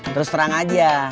terus terang aja